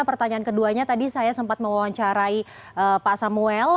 pertanyaan keduanya tadi saya sempat mewawancarai pak samuel